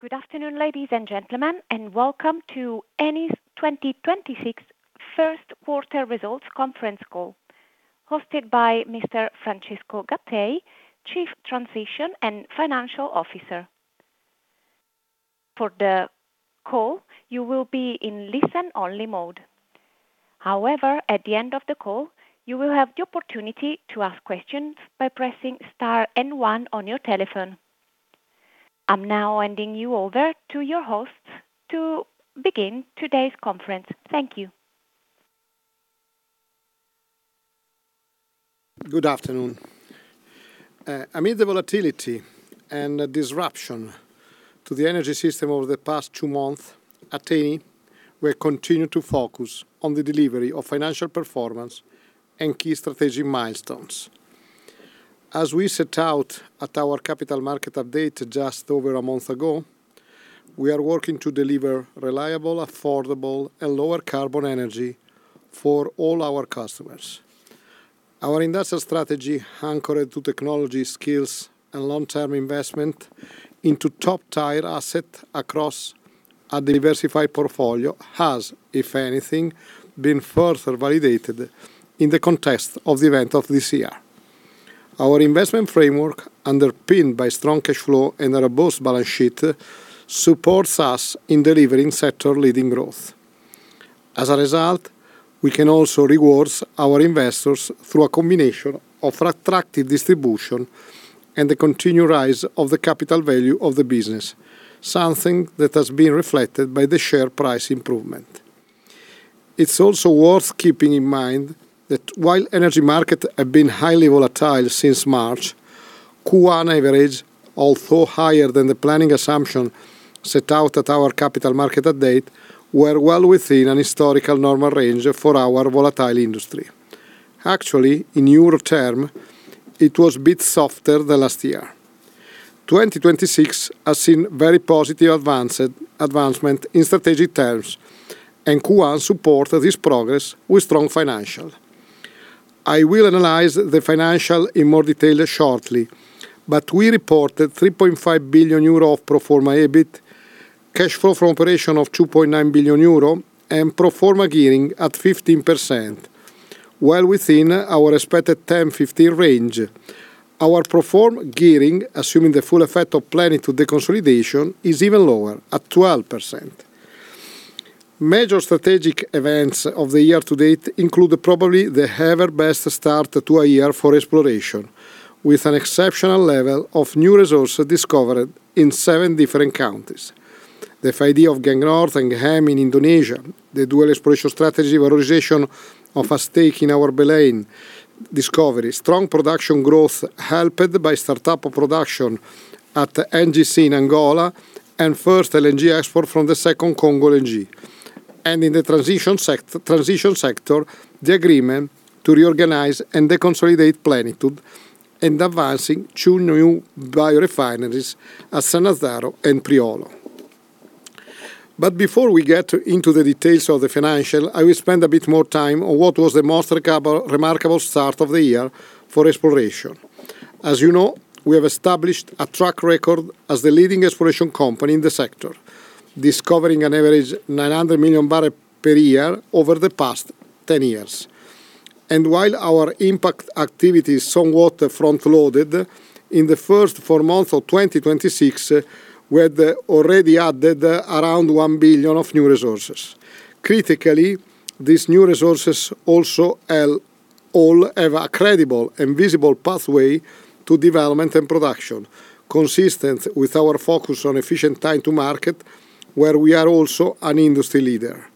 Good afternoon, ladies and gentlemen, and welcome to Eni's 2026 first quarter results conference call hosted by Mr. Francesco Gattei, Chief Transition and Financial Officer. For the call, you will be in listen-only mode. However, at the end of the call, you will have the opportunity to ask questions by pressing star and one on your telephone. I'm now handing you over to your host to begin today's conference. Thank you. Good afternoon. Amid the volatility and disruption to the energy system over the past two months, at Eni, we continue to focus on the delivery of financial performance and key strategic milestones. As we set out at our capital market update just over a month ago, we are working to deliver reliable, affordable, and lower carbon energy for all our customers. Our industrial strategy, anchored to technology skills and long-term investment into top-tier assets across a diversified portfolio, has, if anything, been further validated in the context of the event of this year. Our investment framework, underpinned by strong cash flow and a robust balance sheet, supports us in delivering sector-leading growth. As a result, we can also reward our investors through a combination of attractive distribution and the continued rise of the capital value of the business, something that has been reflected by the share price improvement. It's also worth keeping in mind that while energy markets have been highly volatile since March, Q1 average, although higher than the planning assumption set out at our Capital Markets Day, were well within an historical normal range for our volatile industry. Actually, in euro terms, it was a bit softer than last year. 2024 has seen very positive advancement in strategic terms, and Q1 supported this progress with strong financials. I will analyze the financials in more detail shortly, but we reported 3.5 billion euro of pro forma EBIT, cash flow from operations of 2.9 billion euro, and pro forma gearing at 15%, well within our expected 10%-15% range. Our pro forma gearing, assuming the full effect of planned deconsolidation, is even lower at 12% Major strategic events of the year-to-date include probably the best ever start to a year for exploration, with an exceptional level of new resources discovered in seven different countries. The FID of Geng North and Gehem in Indonesia, the dual exploration strategy, valorization of a stake in our Baleine discovery, strong production growth helped by startup of production at NGC in Angola, and first LNG export from the Congo LNG. In the transition sector, the agreement to reorganize and deconsolidate Plenitude and advancing two new biorefineries at Sannazzaro and Priolo. Before we get into the details of the financials, I will spend a bit more time on what was the most remarkable start of the year for exploration. As you know, we have established a track record as the leading exploration company in the sector, discovering an average 900 MMbbl per year over the past 10 years. While our impact activity is somewhat front-loaded, in the first four months of 2026, we had already added around one billion of new resources. Critically, these new resources also all have a credible and visible pathway to development and production, consistent with our focus on efficient time to market, where we are also an industry leader.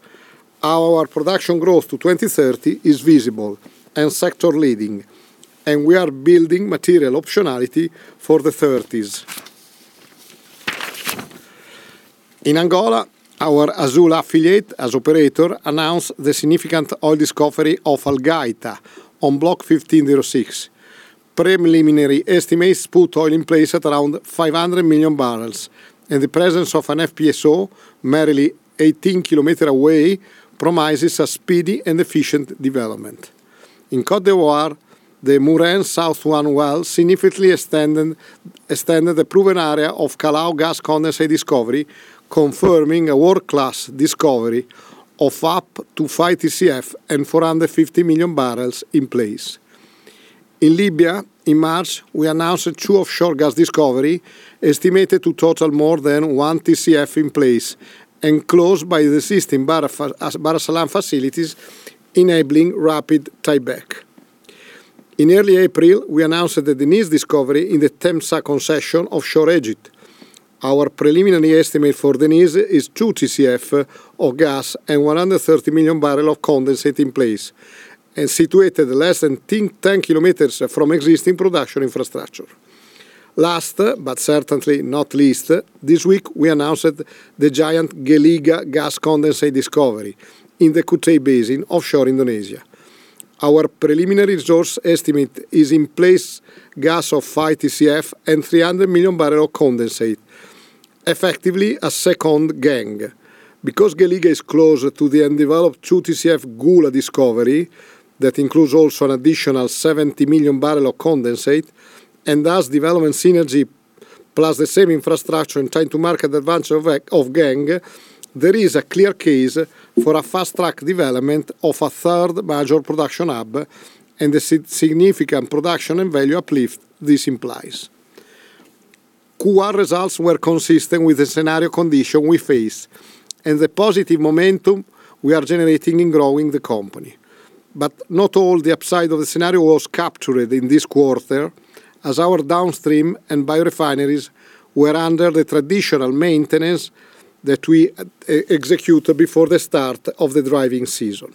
Our production growth to 2030 is visible and sector leading, and we are building material optionality for the '30s. In Angola, our Azule affiliate, as operator, announced the significant oil discovery of Algaita on Block 15/06. Preliminary estimates put oil in place at around 500 MMbbl, and the presence of an FPSO merely 18 km away promises a speedy and efficient development. In Côte d'Ivoire, the Murene South-1 well significantly extended the proven area of Calao gas condensate discovery, confirming a world-class discovery of up to 5 TCF and 450 MMbbl in place. In Libya, in March, we announced two offshore gas discoveries, estimated to total more than 1 TCF in place, and close by the existing Bahr Essalam facilities, enabling rapid tieback. In early April, we announced the Deniz discovery in the Temsah concession offshore Egypt. Our preliminary estimate for Deniz is 2 TCF of gas and 130 MMbbl of condensate in place, and situated less than 10 km from existing production infrastructure. Last, but certainly not least, this week we announced the giant Gliga gas condensate discovery in the Kutei Basin offshore Indonesia. Our preliminary resource estimate is in place gas of 5 TCF and 300 MMbbl of condensate, effectively a second Geng. Because Gehem is closer to the undeveloped 2 TCF Geng discovery, that includes also an additional 70 MMbbl of condensate, and thus development synergy plus the same infrastructure and time-to-market advantage of Geng, there is a clear case for a fast-track development of a third major production hub and the significant production and value uplift this implies. Q1 results were consistent with the scenario condition we face and the positive momentum we are generating in growing the company. Not all the upside of the scenario was captured in this quarter, as our downstream and biorefineries were under the traditional maintenance that we execute before the start of the driving season.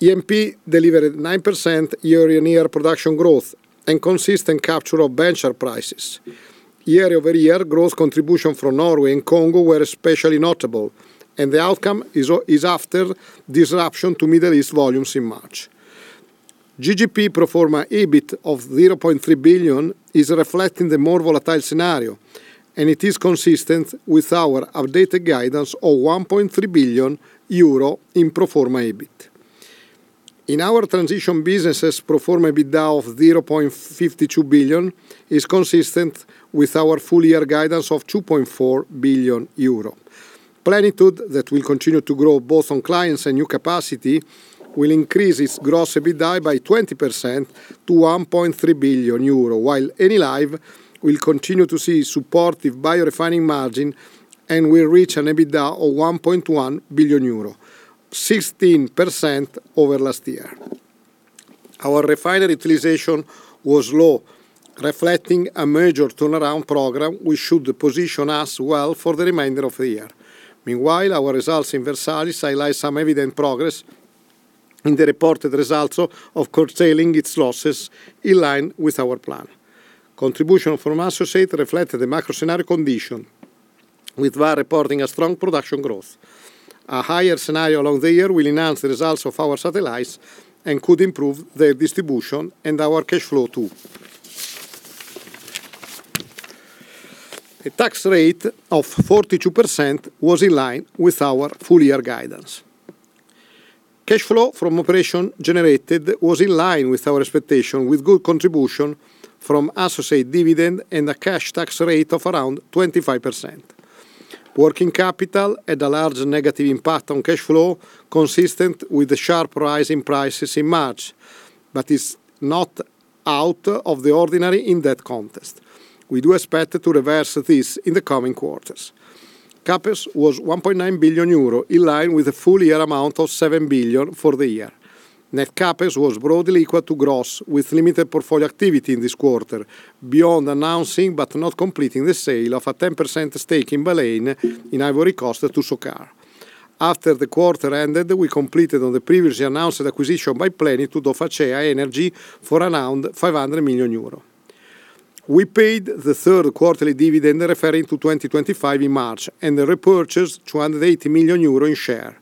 E&P delivered 9% year-on-year production growth and consistent capture of benchmark prices. Year-over-year growth contribution from Norway and Congo were especially notable, and the outcome is after disruption to Middle East volumes in March. GGP pro forma EBIT of 0.3 billion is reflecting the more volatile scenario, and it is consistent with our updated guidance of 1.3 billion euro in pro forma EBIT. In our transition businesses, pro forma EBITDA of 0.52 billion is consistent with our full-year guidance of 2.4 billion euro. Plenitude, that will continue to grow both on clients and new capacity, will increase its gross EBITDA by 20% to 1.3 billion euro, while Enilive will continue to see supportive biorefining margin and will reach an EBITDA of 1.1 billion euro, 16% over last year. Our refinery utilization was low, reflecting a major turnaround program which should position us well for the remainder of the year. Meanwhile, our results in Versalis highlight some evident progress in the reported results of curtailing its losses in line with our plan. Contribution from associate reflected the macro scenario condition, with Vår Energi reporting a strong production growth. A higher scenario along the year will enhance the results of our satellites and could improve their distribution and our cash flow too. A tax rate of 42% was in line with our full-year guidance. Cash flow from operation generated was in line with our expectation, with good contribution from associate dividend and a cash tax rate of around 25%. Working capital had a large negative impact on cash flow, consistent with the sharp rise in prices in March, but is not out of the ordinary in that context. We do expect to reverse this in the coming quarters. CapEx was 1.9 billion euro, in line with the full-year amount of 7 billion for the year. Net CapEx was broadly liquid to gross, with limited portfolio activity in this quarter beyond announcing, but not completing, the sale of a 10% stake in Baleine in Ivory Coast to SOCAR. After the quarter ended, we completed on the previously announced acquisition by Plenitude of Acea Energia for around 500 million euro. We paid the third quarterly dividend referring to 2025 in March and repurchased 280 million euro in shares.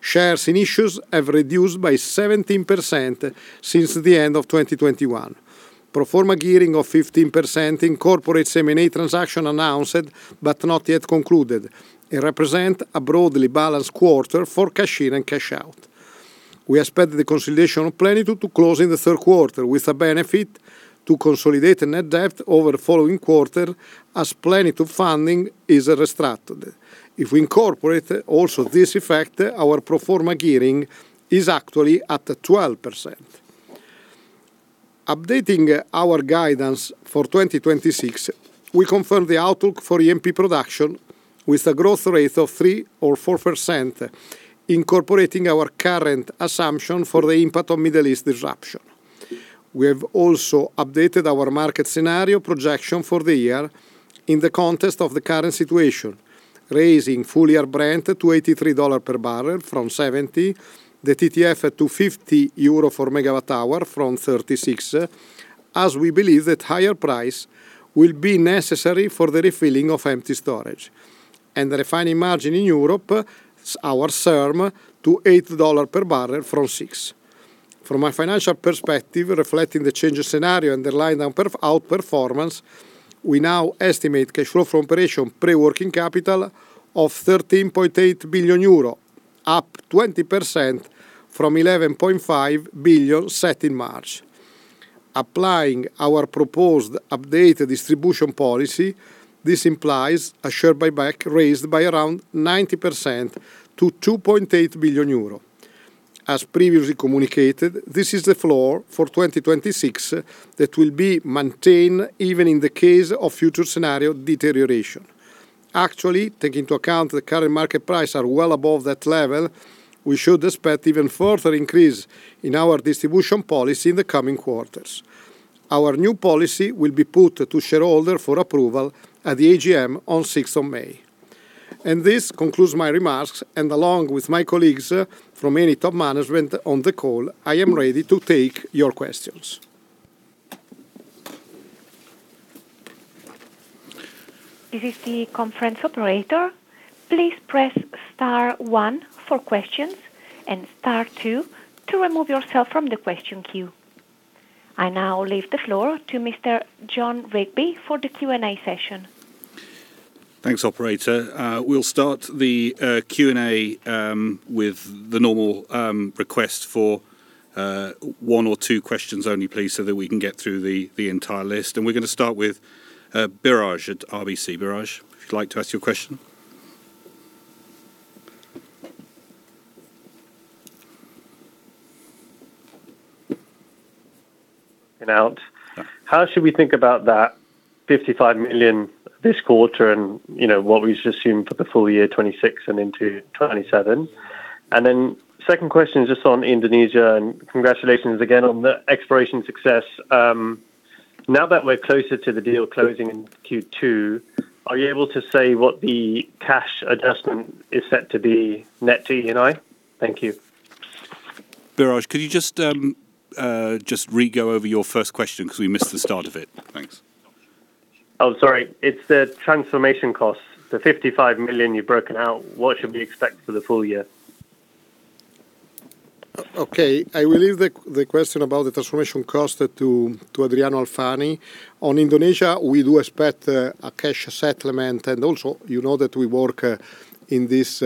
Shares in issue have reduced by 17% since the end of 2021. Pro forma gearing of 15% incorporates M&A transactions announced but not yet concluded and represents a broadly balanced quarter for cash in and cash out. We expect the consolidation of Plenitude to close in the third quarter with a benefit to consolidated net debt over the following quarter as Plenitude funding is restructured. If we incorporate also this effect, our pro forma gearing is actually at 12%. Updating our guidance for 2026, we confirm the outlook for E&P production with a growth rate of 3% or 4%, incorporating our current assumption for the impact of Middle East disruption. We have also updated our market scenario projection for the year in the context of the current situation, raising full-year Brent to $83 per barrel from $70, the TTF to €50 per megawatt hour from €36, as we believe that higher price will be necessary for the refilling of empty storage, and the refining margin in Europe, our SERM, to $8 per barrel from $6. From a financial perspective, reflecting the change in scenario and the in-line performance, we now estimate cash flow from operations pre-working capital of €13.8 billion, up 20% from €11.5 billion set in March. Applying our proposed updated distribution policy, this implies a share buyback raised by around 90% to €2.8 billion. As previously communicated, this is the floor for 2026 that will be maintained even in the case of future scenario deterioration. Actually, taking into account the current market prices are well above that level, we should expect even further increase in our distribution policy in the coming quarters. Our new policy will be put to shareholders for approval at the AGM on 6th of May. This concludes my remarks, and along with my colleagues from Eni top management on the call, I am ready to take your questions. This is the conference operator. Please press star one for questions and star two to remove yourself from the question queue. I now leave the floor to Mr. Jon Rigby for the Q&A session. Thanks, operator. We'll start the Q&A with the normal request for one or two questions only, please, so that we can get through the entire list. We're going to start with Biraj at RBC. Biraj, if you'd like to ask your question. How should we think about that 55 million this quarter and what we should assume for the full-year 2026 and into 2027? Second question is just on Indonesia, and congratulations again on the exploration success. Now that we're closer to the deal closing in Q2, are you able to say what the cash adjustment is set to be net to Eni? Thank you. Biraj, could you just re-go over your first question because we missed the start of it? Thanks. Oh, sorry. It's the transformation cost, the 55 million you've broken out, what should we expect for the full-year? Okay. I will leave the question about the transformation cost to Adriano Alfani. On Indonesia, we do expect a cash settlement. You know that we work in this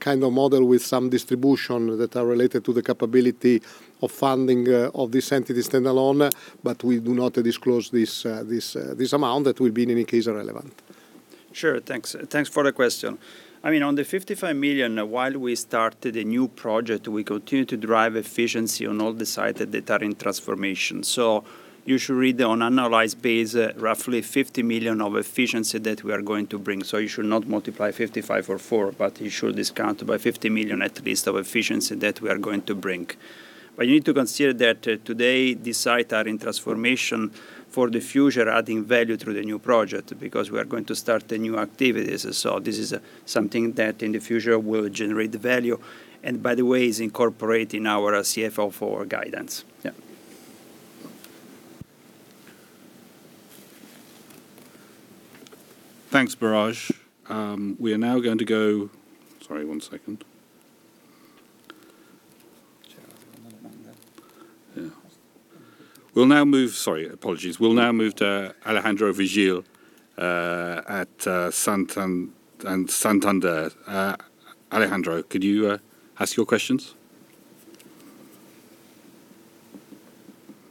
kind of model with some distribution that are related to the capability of funding of this entity standalone, but we do not disclose this amount. That will be, in any case, irrelevant. Sure. Thanks for the question. On the 55 million, while we started a new project, we continue to drive efficiency on all the sites that are in transformation. You should read on an annualized base roughly 50 million of efficiency that we are going to bring. You should not multiply 55 million by four, but you should discount by 50 million at least of efficiency that we are going to bring. You need to consider that today, these sites are in transformation for the future, adding value through the new project, because we are going to start the new activities. This is something that in the future will generate the value. By the way, it is incorporated in our CFFO for guidance. Yeah. Thanks, Biraj. We'll now move to Alejandro Vigil at Santander. Alejandro, could you ask your questions?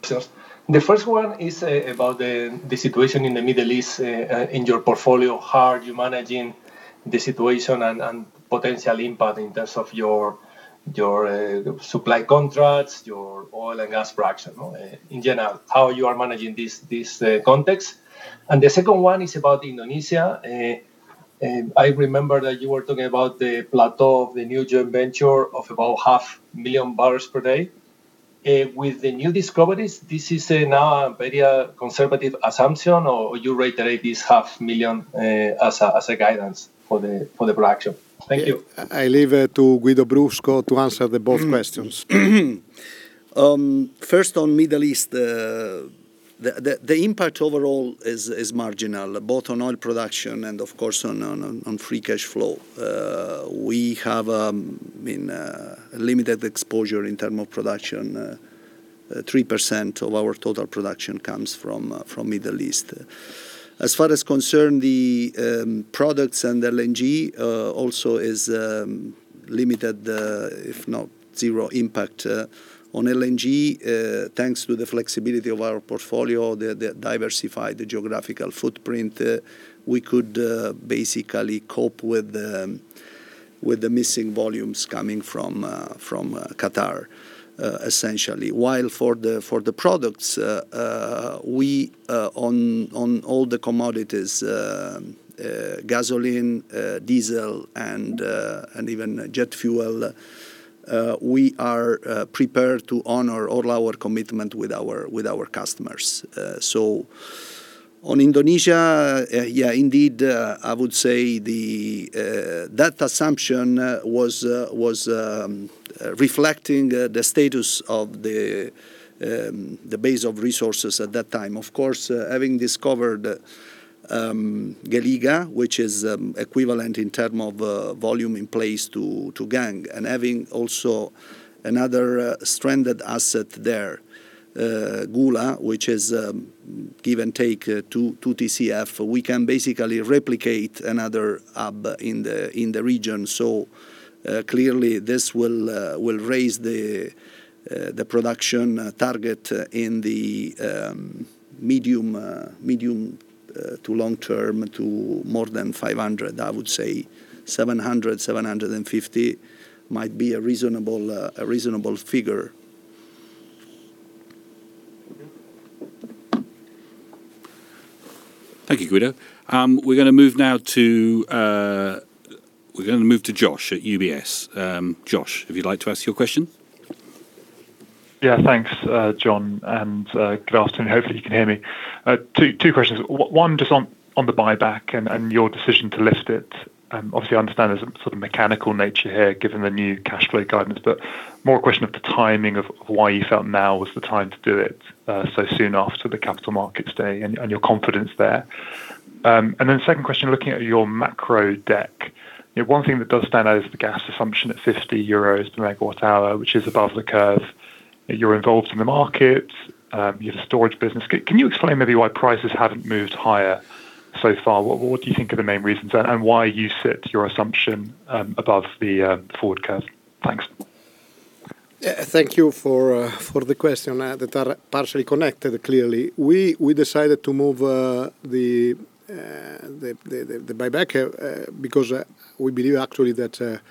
Sure. The first one is about the situation in the Middle East, in your portfolio. How are you managing the situation and potential impact in terms of your supply contracts, your oil and gas production? In general, how you are managing this context. The second one is about Indonesia. I remember that you were talking about the plateau of the new joint venture of about 0.5 MMbpd. With the new discoveries, this is now a very conservative assumption, or you reiterate this 0.5 million as a guidance for the production? Thank you. I leave it to Guido Brusco to answer both questions. First on Middle East. The impact overall is marginal, both on oil production and of course on free cash flow. We have limited exposure in terms of production. 3% of our total production comes from Middle East. As far as concerned, the products and LNG also is limited, if not zero impact. On LNG, thanks to the flexibility of our portfolio, the diversified geographical footprint, we could basically cope with the missing volumes coming from Qatar, essentially. While for the products, on all the commodities, gasoline, diesel, and even jet fuel, we are prepared to honor all our commitments with our customers. On Indonesia, yeah, indeed, I would say that assumption was reflecting the status of the base of resources at that time. Of course, having discovered Gliga, which is equivalent in terms of volume in place to Geng, and having also another stranded asset there, Gula, which is give or take 2 TCF, we can basically replicate another hub in the region. Clearly this will raise the production target in the medium to long-term to more than 500, I would say 700, 750 might be a reasonable figure. Thank you, Guido. We're gonna move to Josh at UBS. Josh, if you'd like to ask your question. Yeah, thanks, Jon, and good afternoon. Hopefully you can hear me. Two questions. One, just on the buyback and your decision to lift it. Obviously, I understand there's a sort of mechanical nature here given the new cash flow guidance, but more a question of the timing of why you felt now was the time to do it so soon after the Capital Markets Day and your confidence there. Second question, looking at your macro deck, one thing that does stand out is the gas assumption at 50 euros the megawatt hour, which is above the curve. You are involved in the market, you have the storage business. Can you explain maybe why prices haven't moved higher so far? What do you think are the main reasons, and why you set your assumption above the forward curve? Thanks. Thank you for the question. They are partially connected, clearly. We decided to move the buyback because we believe actually that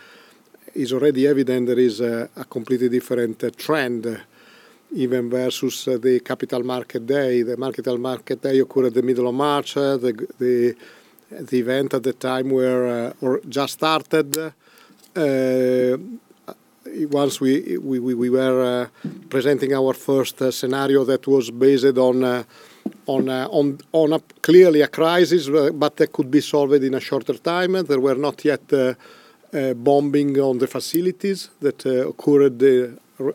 it's already evident there is a completely different trend, even versus the Capital Markets Day. The Capital Markets Day occurred in the middle of March. The event at the time just started. Once we were presenting our first scenario that was based on clearly a crisis, but that could be solved in a shorter time. There were not yet bombing on the facilities that occurred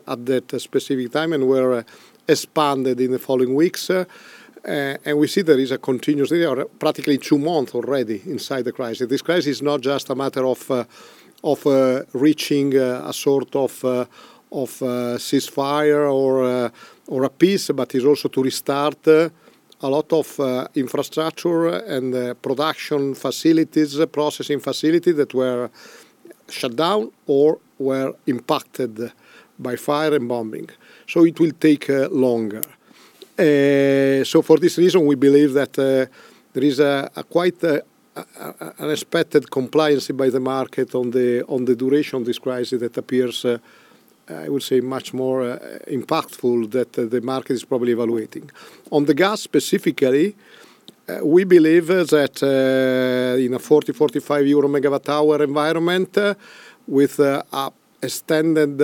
at that specific time and were expanded in the following weeks. We see there is a continuous, practically two months already inside the crisis. This crisis is not just a matter of reaching a sort of ceasefire or a peace, but is also to restart a lot of infrastructure and production facilities, processing facilities that were shut down or were impacted by fire and bombing. It will take longer. For this reason, we believe that there is a quite unexpected compliance by the market on the duration of this crisis that appears, I would say, much more impactful than the market is probably evaluating. On the gas specifically, we believe that in a 40 EUR/MWh-45 EUR/MWh environment with an extended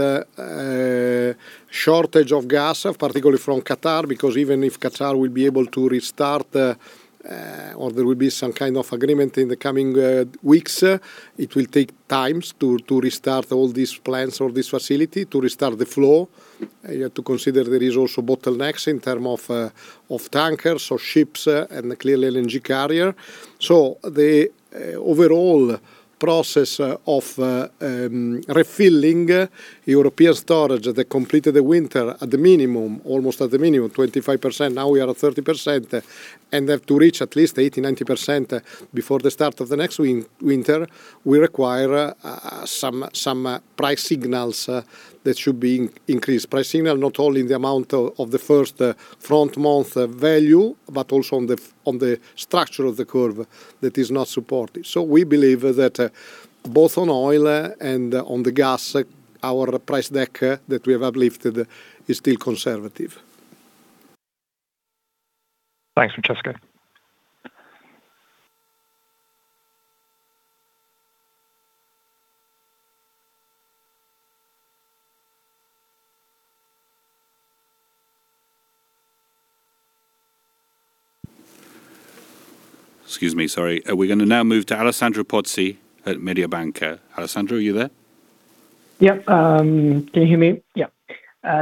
shortage of gas, particularly from Qatar, because even if Qatar will be able to restart or there will be some kind of agreement in the coming weeks, it will take times to restart all these plants or this facility, to restart the flow. You have to consider there is also bottlenecks in terms of tankers or ships and clearly LNG carrier. The overall process of refilling European storage that completed the winter at the minimum, almost at the minimum 25%, now we are at 30%, and have to reach at least 80%-90% before the start of the next winter requires some price signals that should be increased, price signal not only in the amount of the first front month value, but also on the structure of the curve that is not supported. We believe that both on oil and on the gas, our price deck that we have uplifted is still conservative. Thanks, Francesco. Excuse me, sorry. We're going to now move to Alessandro Pozzi at Mediobanca. Alessandro, are you there? Yep. Can you hear me? Yeah.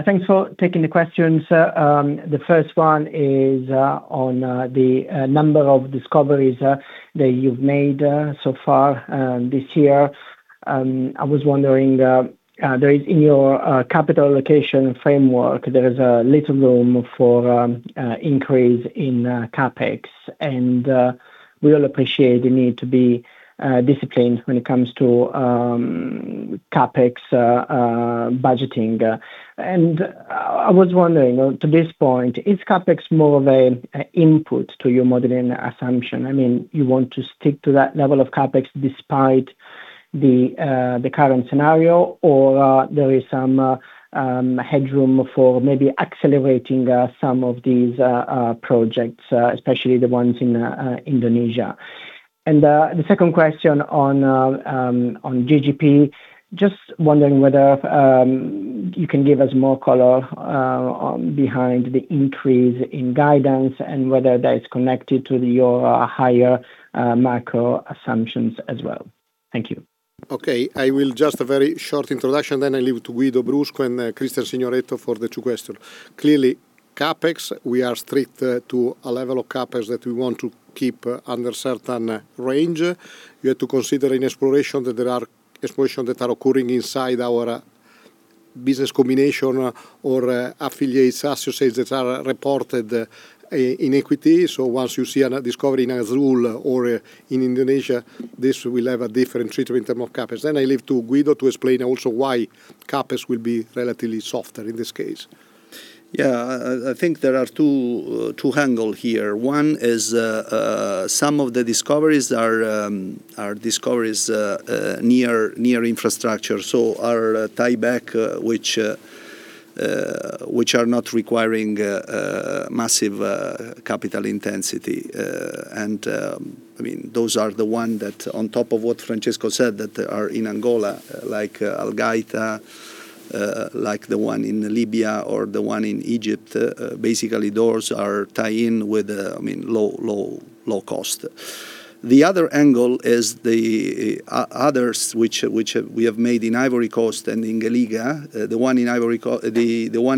Thanks for taking the questions. The first one is on the number of discoveries that you've made so far this year. I was wondering, there is in your capital allocation framework, there is a little room for increase in CapEx, and we all appreciate the need to be disciplined when it comes to CapEx budgeting. I was wondering, to this point, is CapEx more of an input to your modeling assumption? You want to stick to that level of CapEx despite the current scenario, or there is some headroom for maybe accelerating some of these projects, especially the ones in Indonesia. The second question on GGP, just wondering whether you can give us more color behind the increase in guidance and whether that is connected to your higher macro assumptions as well. Thank you. Okay. I will just a very short introduction, then I leave to Guido Brusco and Cristian Signoretto for the two questions. Clearly, CapEx, we are strict to a level of CapEx that we want to keep under certain range. You have to consider in exploration that there are explorations that are occurring inside our business combination or affiliates, associates that are reported in equity. Once you see a discovery in Azule or in Indonesia, this will have a different treatment in terms of CapEx. I leave to Guido to explain also why CapEx will be relatively softer in this case. Yeah. I think there are two angles here. One is, some of the discoveries are discoveries near infrastructure, so are tiebacks, which are not requiring massive capital intensity. Those are the ones that on top of what Francesco said, that are in Angola, like Algaita, like the one in Libya or the one in Egypt. Basically, those are tie-ins with low cost. The other angle is the others which we have made in Ivory Coast and in Gallagher. The one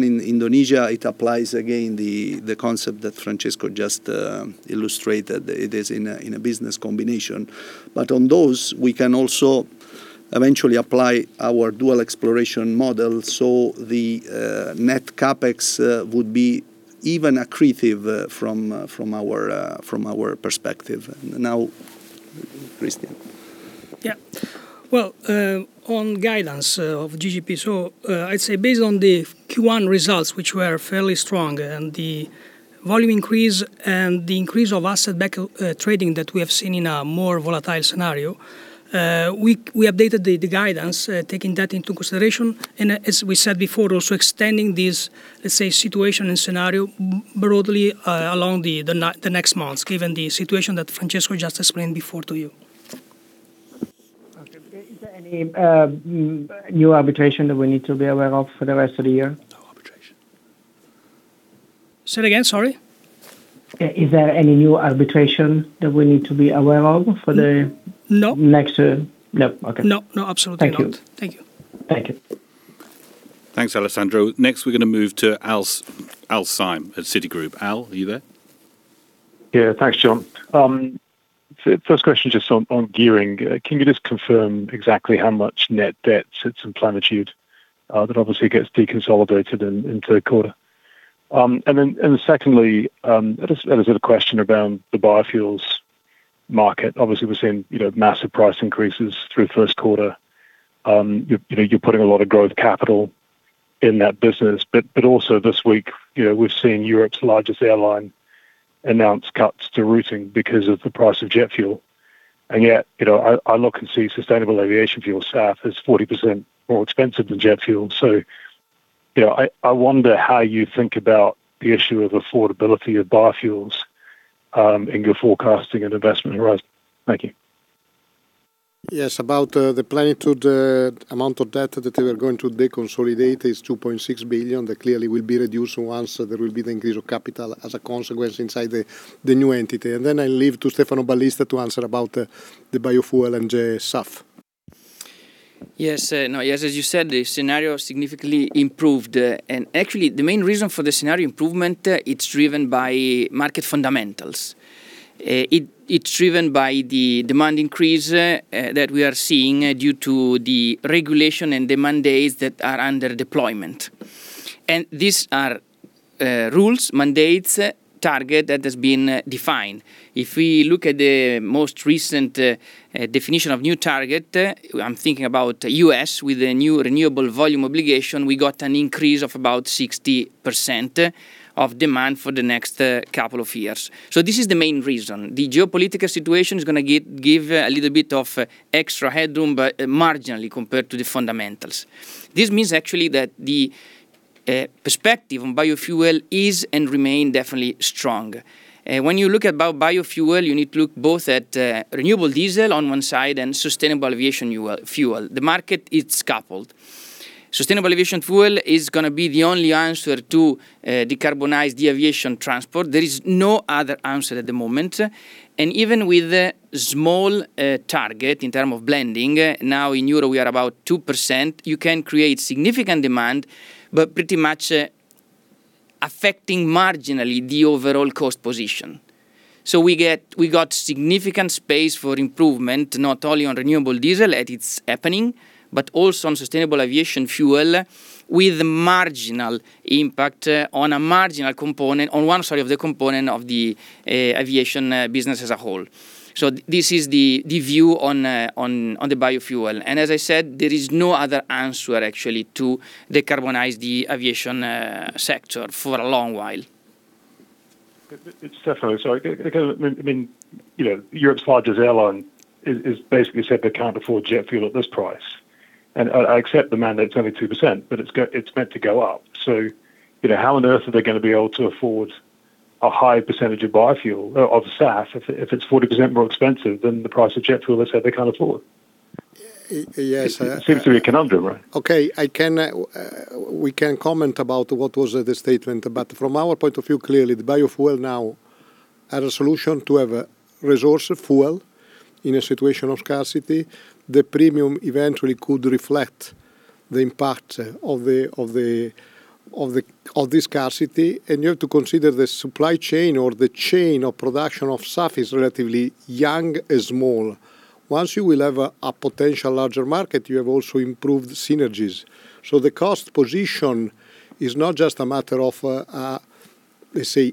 in Indonesia, it applies again, the concept that Francesco just illustrated. It is in a business combination. On those, we can also eventually apply our dual exploration model, so the net CapEx would be even accretive from our perspective. Now, Cristian. Yeah. Well, on guidance of GGP. I'd say based on the Q1 results, which were fairly strong, and the volume increase and the increase of asset-backed trading that we have seen in a more volatile scenario, we updated the guidance, taking that into consideration. As we said before, also extending this, let's say, situation and scenario broadly along the next months, given the situation that Francesco just explained before to you. Okay. Is there any new arbitration that we need to be aware of for the rest of the year? No arbitration. Say it again, sorry. Is there any new arbitration that we need to be aware of for the? No Next. No. Okay. No, absolutely not. Thank you. Thank you. Thank you. Thanks, Alessandro. Next, we're going to move to Alastair Syme at Citigroup. Al, are you there? Yeah. Thanks, Jon. First question just on gearing. Can you just confirm exactly how much net debt sits in Plenitude that obviously gets deconsolidated in the quarter? Then secondly, just a question around the biofuels market. Obviously, we're seeing massive price increases through the first quarter. You're putting a lot of growth capital in that business. But also this week, we've seen Europe's largest airline announce cuts to routes because of the price of jet fuel. Yet, I look and see sustainable aviation fuel, SAF, is 40% more expensive than jet fuel. I wonder how you think about the issue of affordability of biofuels, in your forecasting and investment horizon. Thank you. Yes. About the Plenitude amount of debt that they were going to deconsolidate is 2.6 billion. That clearly will be reduced once there will be the increase of capital as a consequence inside the new entity. Then I leave to Stefano Ballista to answer about the biofuel and the SAF. Yes. As you said, the scenario significantly improved. Actually, the main reason for the scenario improvement, it's driven by market fundamentals. It's driven by the demand increase that we are seeing due to the regulation and the mandates that are under deployment. These are rules, mandates, target that has been defined. If we look at the most recent definition of new target, I'm thinking about U.S. with a new Renewable Volume Obligation, we got an increase of about 60% of demand for the next couple of years. This is the main reason. The geopolitical situation is going to give a little bit of extra headroom, but marginally compared to the fundamentals. This means actually that the perspective on biofuel is and remain definitely strong. When you look at biofuel, you need to look both at renewable diesel on one side and sustainable aviation fuel. The market, it's coupled. Sustainable aviation fuel is going to be the only answer to decarbonize the aviation transport. There is no other answer at the moment. Even with a small target in terms of blending, now in Europe, we are about 2%, you can create significant demand, but pretty much affecting marginally the overall cost position. We got significant space for improvement, not only on renewable diesel, and it's happening, but also on sustainable aviation fuel with marginal impact on a marginal component, on one side of the component of the aviation business as a whole. This is the view on the biofuel. As I said, there is no other answer actually to decarbonize the aviation sector for a long while. Stefano, sorry. Europe's largest airline has basically said they can't afford jet fuel at this price. I accept the mandate's only 2%, but it's meant to go up. How on earth are they going to be able to afford a high percentage of biofuel, of SAF, if it's 40% more expensive than the price of jet fuel they said they can't afford? Yes. It seems to be a conundrum, right? Okay. We can comment about what was the statement. From our point of view, clearly, the biofuel now as a solution to have a resource of fuel in a situation of scarcity, the premium eventually could reflect the impact of this scarcity. You have to consider the supply chain or the chain of production of SAF is relatively young and small. Once you will have a potential larger market, you have also improved synergies. The cost position is not just a matter of, let's say,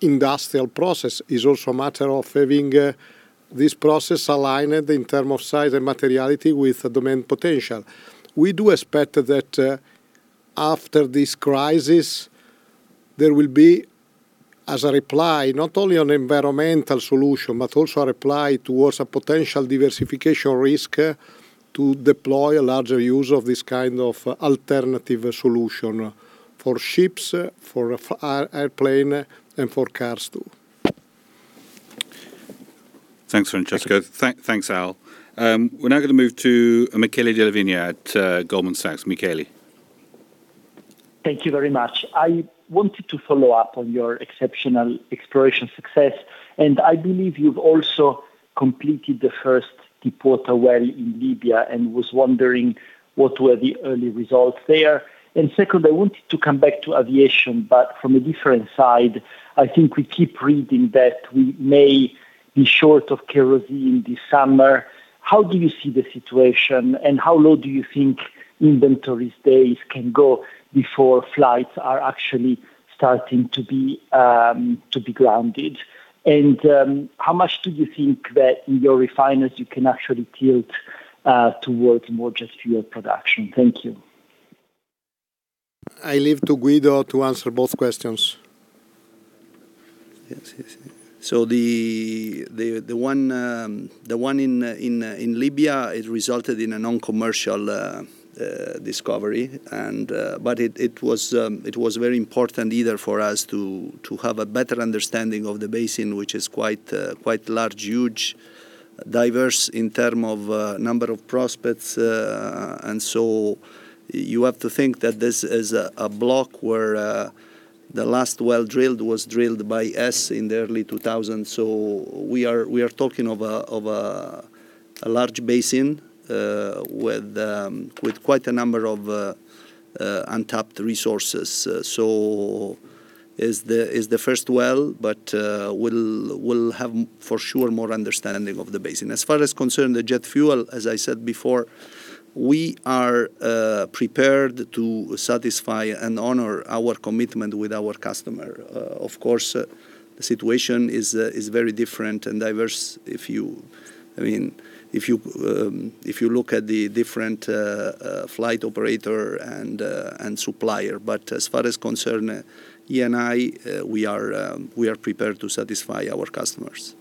industrial process. It's also a matter of having this process aligned in terms of size and materiality with the demand potential. We do expect that after this crisis, there will be, as a reply, not only an environmental solution, but also a reply towards a potential diversification risk to deploy a larger use of this kind of alternative solution for ships, for airplane, and for cars, too. Thanks, Francesco. Thanks, Al. We're now going to move to Michele Della Vigna at Goldman Sachs. Michele. Thank you very much. I wanted to follow up on your exceptional exploration success, and I believe you've also completed the first deepwater well in Libya, and was wondering what were the early results there. Second, I wanted to come back to aviation, but from a different side. I think we keep reading that we may be short of kerosene this summer. How do you see the situation, and how low do you think inventory days can go before flights are actually starting to be grounded? How much do you think that in your refineries you can actually tilt towards more jet fuel production? Thank you. I leave it to Guido to answer both questions. Yes. The one in Libya, it resulted in a non-commercial discovery. It was very important either for us to have a better understanding of the basin, which is quite large, huge, diverse in terms of number of prospects. You have to think that this is a block where the last well drilled was drilled by us in the early 2000s. We are talking of a large basin with quite a number of untapped resources. This is the first well, but we'll have, for sure, more understanding of the basin. As far as concerns the jet fuel, as I said before, we are prepared to satisfy and honor our commitment with our customer. Of course, the situation is very different and diverse if you look at the different flight operator and supplier. As far as concerns Eni, we are prepared to satisfy our customers.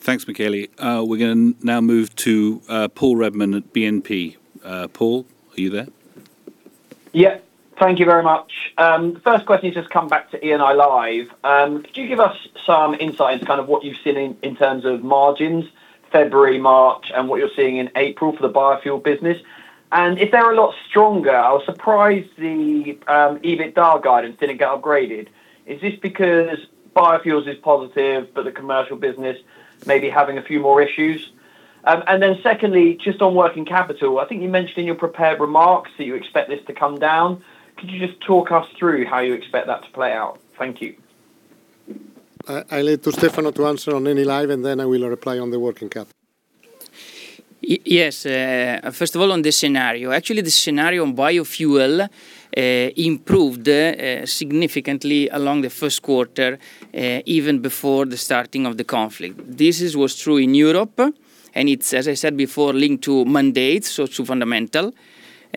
Thanks, Michele. We're going to now move to Paul Redman at BNP. Paul, are you there? Yeah. Thank you very much. First question is just come back to Enilive. Could you give us some insight into kind of what you've seen in terms of margins February, March, and what you're seeing in April for the biofuel business? And if they are a lot stronger, I was surprised the EBITDA guidance didn't get upgraded. Is this because biofuels is positive, but the commercial business may be having a few more issues? And then secondly, just on working capital, I think you mentioned in your prepared remarks that you expect this to come down. Could you just talk us through how you expect that to play out? Thank you. I leave to Stefano to answer on Enilive, and then I will reply on the working cap. Yes. First of all, on the scenario. Actually, the scenario on biofuel improved significantly along the first quarter, even before the starting of the conflict. This is what's true in Europe, and it's, as I said before, linked to mandates, so to fundamentals.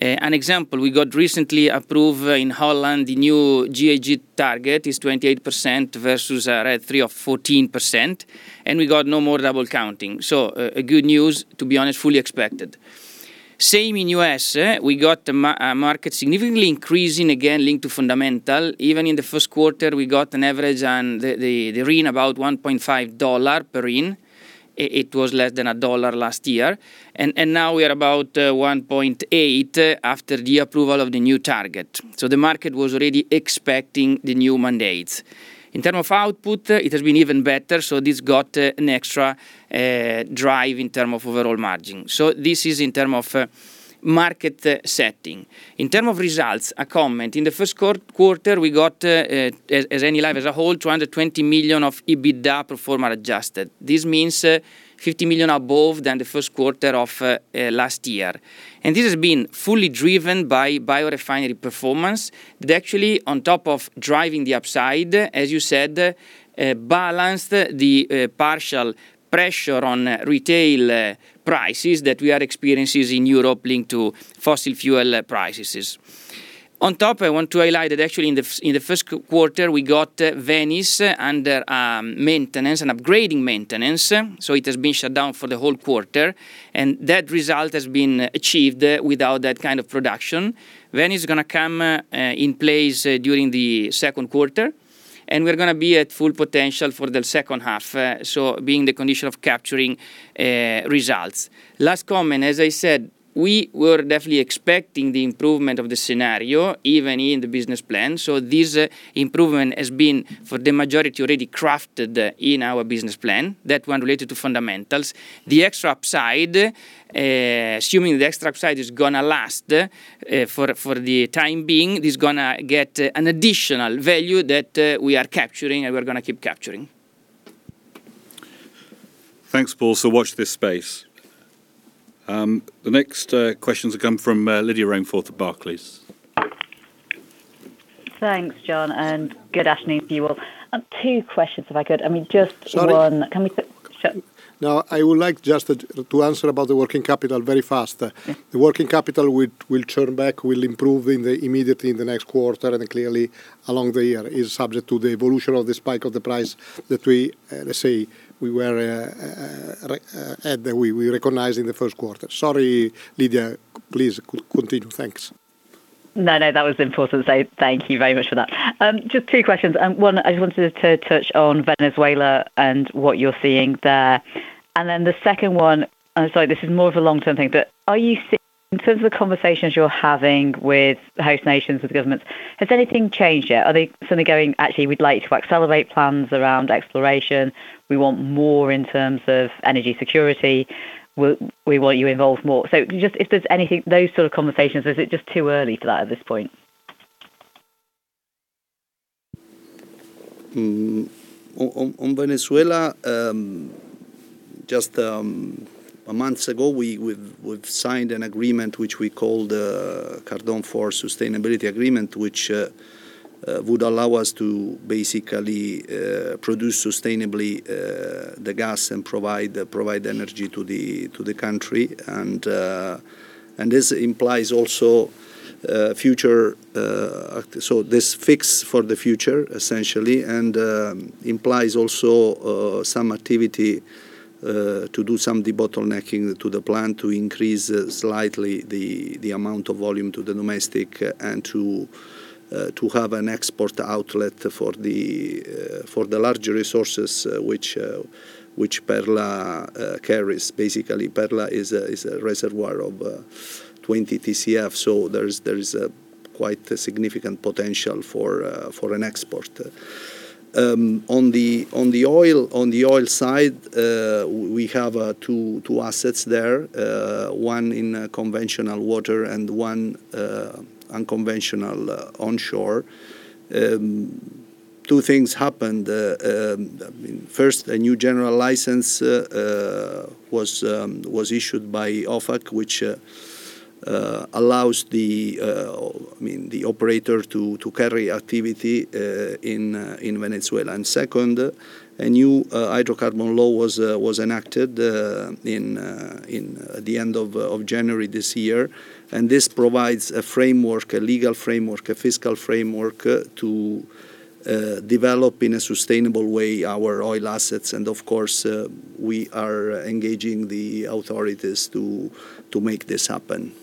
An example, we got recently approved in Holland, the new GHG target is 28% versus a rate of 14%, and we got no more double counting. So, a good news, to be honest, fully expected. Same in US, we got a market significantly increasing, again, linked to fundamentals. Even in the first quarter, we got an average on the RIN about $1.5 per RIN. It was less than $1 last year. Now we are about $1.8 after the approval of the new target. So the market was already expecting the new mandates. In terms of output, it has been even better, so this got an extra drive in terms of overall margin. This is in terms of market setting. In terms of results, a comment. In the first quarter, we got, as Enilive as a whole, 220 million of EBITDA pro forma adjusted. This means 50 million above the first quarter of last year. This has been fully driven by biorefinery performance. It actually, on top of driving the upside, as you said, balanced the downward pressure on retail prices that we are experiencing in Europe linked to fossil fuel prices. On top, I want to highlight that actually in the first quarter, we got Venice under maintenance and upgrading maintenance. It has been shut down for the whole quarter, and that result has been achieved without that kind of production. Venice is going to come in place during the second quarter, and we're going to be at full potential for the second half, so being the condition of capturing results. Last comment, as I said, we were definitely expecting the improvement of the scenario, even in the business plan. This improvement has been, for the majority, already crafted in our business plan, that one related to fundamentals. The extra upside, assuming the extra upside is going to last for the time being, is going to get an additional value that we are capturing and we're going to keep capturing. Thanks, Paul. Watch this space. The next questions come from Lydia Rainforth of Barclays. Thanks, Jon, and good afternoon to you all. Two questions, if I could. I mean, just one. Sorry. Can we switch? No, I would like just to answer about the working capital very fast. Okay. The working capital will turn back, will improve immediately in the next quarter and clearly along the year, is subject to the evolution of the spike of the price that we, let's say, we were recognizing the first quarter. Sorry, Lydia. Please continue. Thanks. No, that was important to say. Thank you very much for that. Just two questions. One, I just wanted to touch on Venezuela and what you're seeing there. The second one, sorry, this is more of a long-term thing, but are you seeing in terms of the conversations you're having with host nations, with governments, has anything changed yet? Are they suddenly going, Actually, we'd like to accelerate plans around exploration. We want more in terms of energy security. We want you involved more. So if there's those sort of conversations, or is it just too early for that at this point? On Venezuela, just a month ago, we signed an agreement which we called Cardón IV Sustainability Agreement, which would allow us to basically produce sustainably the gas and provide energy to the country. This implies also this fix for the future, essentially, and implies also some activity to do some debottlenecking to the plant to increase slightly the amount of volume to the domestic and to have an export outlet for the larger resources which Perla carries. Basically, Perla is a reservoir of 20 TCF, so there is a quite significant potential for an export. On the oil side, we have two assets there. One in conventional water and one unconventional onshore. Two things happened. First, a new general license was issued by OFAC, which allows the operator to carry activity in Venezuela. Second, a new hydrocarbon law was enacted in the end of January this year. This provides a legal framework, a fiscal framework to develop in a sustainable way our oil assets. Of course, we are engaging the authorities to make this happen.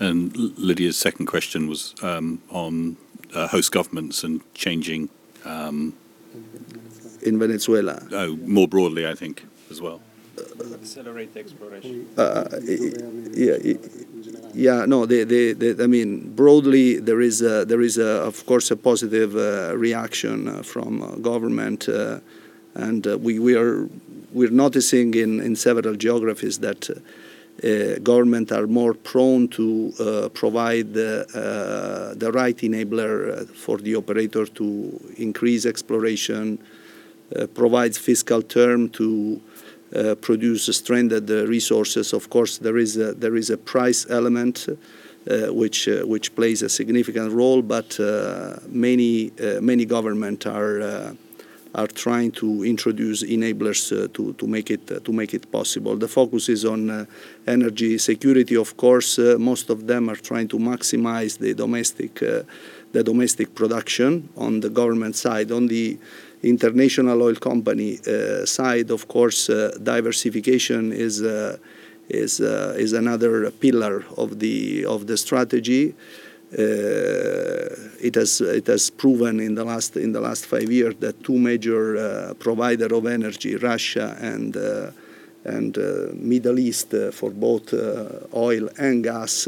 Lydia Rainforth's second question was on host governments and changing. In Venezuela. More broadly, I think as well. Accelerate the exploration. Yeah. No, broadly, there is, of course, a positive reaction from government. We're noticing in several geographies that government are more prone to provide the right enabler for the operator to increase exploration, provide fiscal term to produce stranded resources. Of course, there is a price element which plays a significant role. Many government are trying to introduce enablers to make it possible. The focus is on energy security. Of course, most of them are trying to maximize the domestic production on the government side. On the international oil company side, of course, diversification is another pillar of the strategy. It has proven in the last five years that two major providers of energy, Russia and Middle East, for both oil and gas,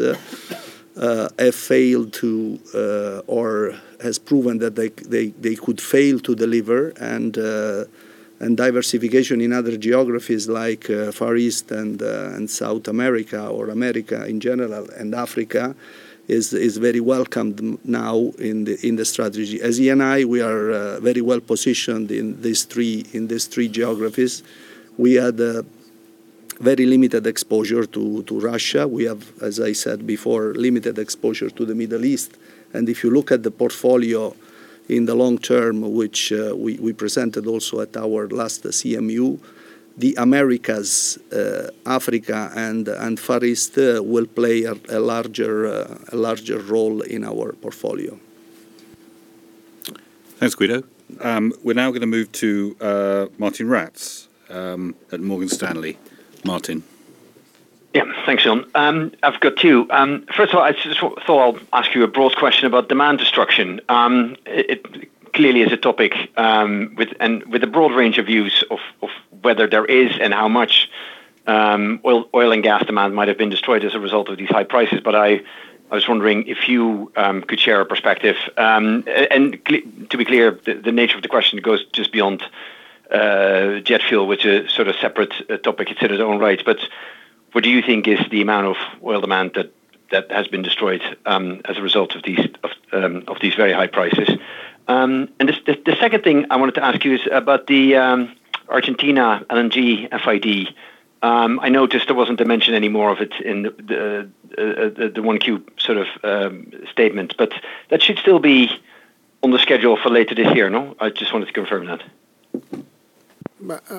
have failed to or has proven that they could fail to deliver, and diversification in other geographies like Far East and South America or America in general and Africa is very welcomed now in the strategy. As Eni, we are very well positioned in these three geographies. We had a very limited exposure to Russia. We have, as I said before, limited exposure to the Middle East. If you look at the portfolio in the long term, which we presented also at our last CMD, the Americas, Africa, and Far East will play a larger role in our portfolio. Thanks, Guido. We're now going to move to Martijn Rats at Morgan Stanley. Martijn. Yeah. Thanks, Jon. I've got two. First of all, I just thought I'll ask you a broad question about demand destruction. It clearly is a topic, and with a broad range of views of whether there is and how much oil and gas demand might have been destroyed as a result of these high prices. I was wondering if you could share a perspective. To be clear, the nature of the question goes just beyond jet fuel, which is sort of separate topic in its own right. What do you think is the amount of oil demand that has been destroyed as a result of these very high prices? The second thing I wanted to ask you is about the Argentina LNG FID. I noticed there wasn't a mention any more of it in the 1Q sort of statement, but that should still be on the schedule for later this year, no? I just wanted to confirm that.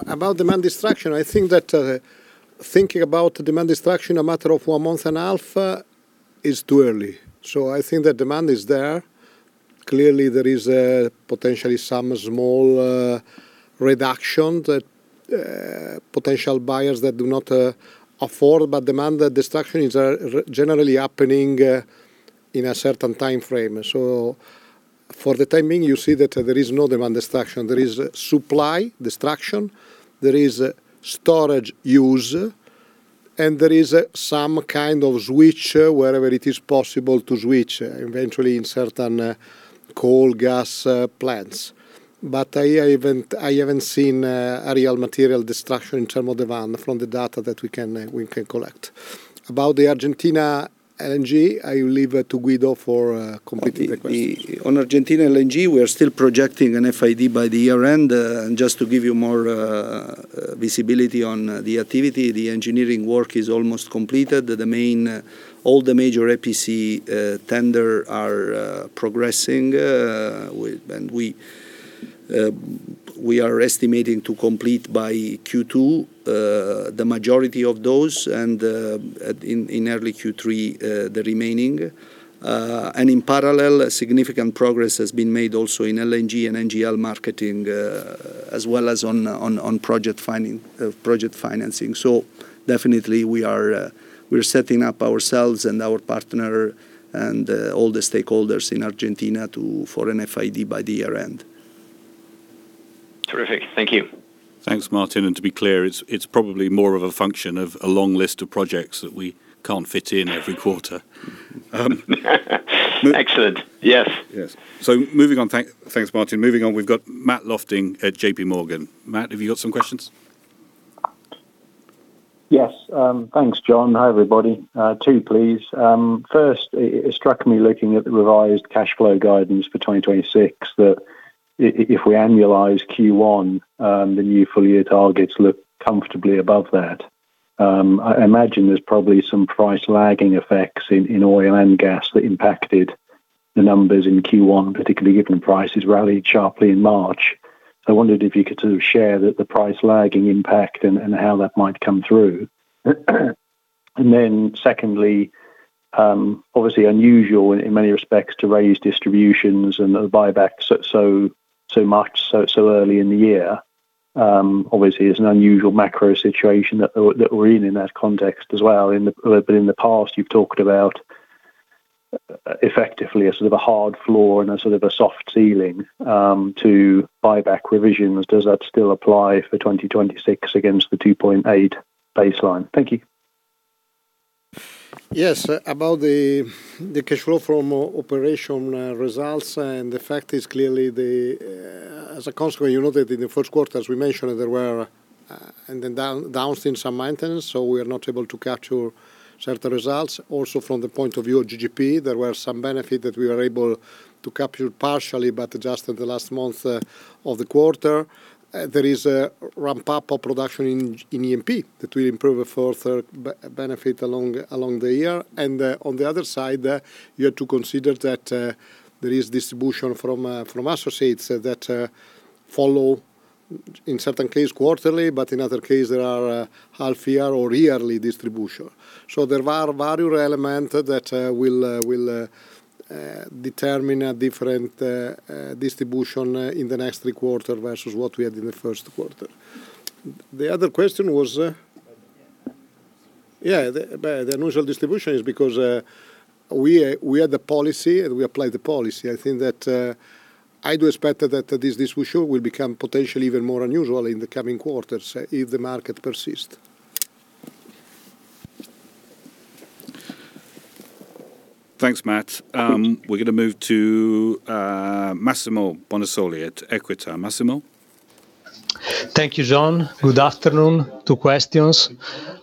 About demand destruction, I think that thinking about demand destruction a matter of one month and a half is too early. I think the demand is there. Clearly, there is potentially some small reduction that potential buyers that do not afford, but demand destruction is generally happening in a certain time frame. For the time being, you see that there is no demand destruction. There is supply destruction, there is storage use, and there is some kind of switch wherever it is possible to switch, eventually in certain coal gas plants. I haven't seen a real material destruction in terms of demand from the data that we can collect. About the Argentina LNG, I will leave it to Guido for completing the question. On Argentina LNG, we are still projecting an FID by the year-end. Just to give you more visibility on the activity, the engineering work is almost completed. All the major EPC tenders are progressing, and we are estimating to complete by Q2, the majority of those, and in early Q3, the remaining. In parallel, significant progress has been made also in LNG and NGL marketing, as well as on project financing. Definitely we're setting up ourselves and our partner and all the stakeholders in Argentina for an FID by the year-end. Terrific. Thank you. Thanks, Martijn. To be clear, it's probably more of a function of a long list of projects that we can't fit in every quarter. Excellent. Yes. Yes. Moving on. Thanks, Martijn. Moving on, we've got Matthew Lofting at JPMorgan. Matt, have you got some questions? Yes. Thanks, Jon. Hi, everybody. Two, please. First, it struck me looking at the revised cash flow guidance for 2026, that if we annualize Q1, the new full-year targets look comfortably above that. I imagine there's probably some price lagging effects in oil and gas that impacted the numbers in Q1, particularly given prices rallied sharply in March. I wondered if you could sort of share the price lagging impact and how that might come through. Secondly, obviously unusual in many respects to raise distributions and the buyback so much so early in the year. Obviously, it's an unusual macro situation that we're in in that context as well. In the past you've talked about, effectively, a sort of a hard floor and a sort of a soft ceiling to buyback revisions. Does that still apply for 2026 against the 2.8 baseline? Thank you. Yes. About the cash flow from operations results, and the fact is clearly, as a consequence, you know that in the first quarter, as we mentioned, there were downs in some maintenance, so we are not able to capture certain results. Also from the point of view of GGP, there were some benefits that we were able to capture partially, but just in the last month of the quarter. There is a ramp-up of production in E&P that will improve a further benefit along the year. On the other side, you have to consider that there is distribution from associates that follow, in certain cases quarterly, but in other cases there are half-year or yearly distributions. There are various elements that will determine a different distribution in the next three quarters versus what we had in the first quarter. The other question was? Yeah. The unusual distribution is because we had the policy and we applied the policy. I think that I do expect that this issue will become potentially even more unusual in the coming quarters if the market persists. Thanks, Matt. We're going to move to Massimo Bonisoli at Equita. Massimo? Thank you, Jon. Good afternoon. Two questions.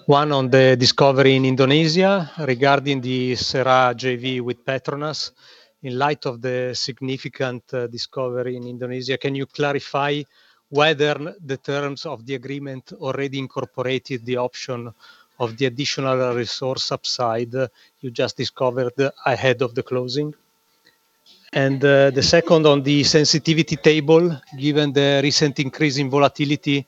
One on the discovery in Indonesia regarding the SapuraOMV JV with PETRONAS. In light of the significant discovery in Indonesia, can you clarify whether the terms of the agreement already incorporated the option of the additional resource upside you just discovered ahead of the closing? And the second on the sensitivity table, given the recent increase in volatility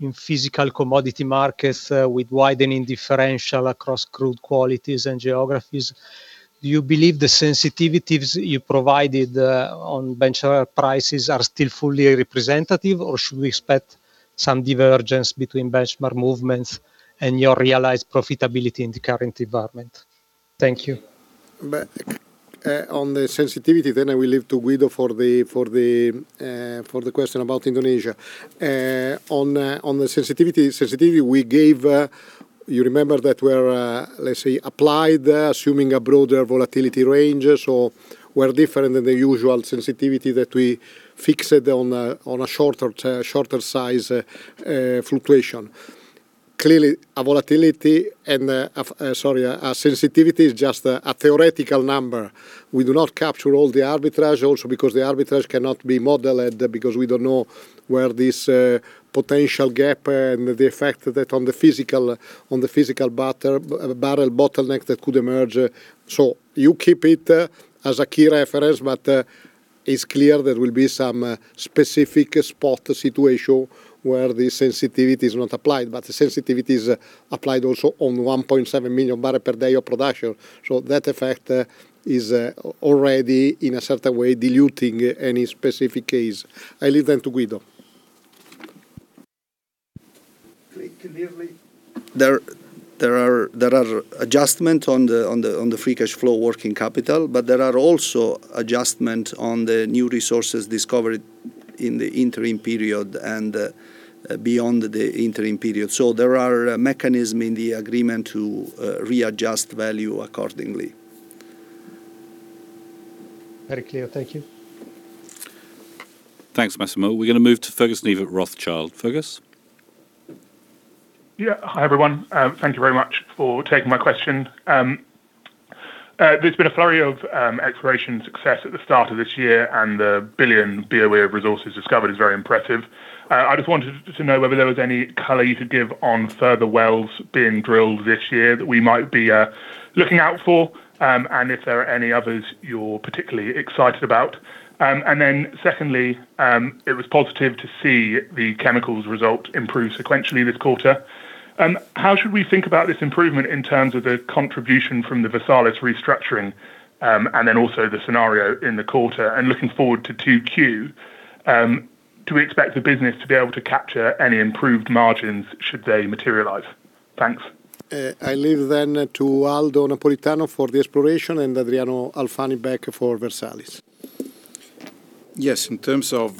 in physical commodity markets with widening differential across crude qualities and geographies, do you believe the sensitivities you provided on benchmark prices are still fully representative, or should we expect some divergence between benchmark movements and your realized profitability in the current environment? Thank you. On the sensitivity, I will leave to Guido for the question about Indonesia. On the sensitivity, you remember that we're, let's say, applied assuming a broader volatility range. We're different than the usual sensitivity that we fixed on a shorter size fluctuation. Clearly, a sensitivity is just a theoretical number. We do not capture all the arbitrage also because the arbitrage cannot be modeled, because we don't know where this potential gap and the effect that on the physical barrel bottleneck that could emerge. You keep it as a key reference, but it's clear there will be some specific spot situation where the sensitivity is not applied. The sensitivity is applied also on 1.7 MMbpd of production. That effect is already, in a certain way, diluting any specific case. I leave that to Guido. Clearly. There are adjustments on the free cash flow working capital, but there are also adjustments on the new resources discovered in the interim period and beyond the interim period. There are mechanisms in the agreement to readjust value accordingly. Very clear. Thank you. Thanks, Massimo. We're going to move to Fergus Neve at Rothschild. Fergus? Yeah. Hi, everyone. Thank you very much for taking my question. There's been a flurry of exploration success at the start of this year, and 1 billion BOE of resources discovered is very impressive. I just wanted to know whether there was any color you could give on further wells being drilled this year that we might be looking out for, and if there are any others you're particularly excited about. Then secondly, it was positive to see the chemicals result improve sequentially this quarter. How should we think about this improvement in terms of the contribution from the Versalis restructuring, and then also the scenario in the quarter and looking forward to 2Q, do we expect the business to be able to capture any improved margins should they materialize? Thanks. I leave then to Aldo Napolitano for the exploration and Adriano Alfani back for Versalis. Yes. In terms of